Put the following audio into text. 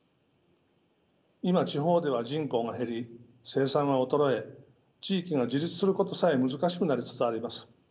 今地方では人口が減り生産は衰え地域が自立することさえ難しくなりつつあります。